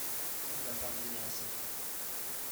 Il va parvenir à ses fins.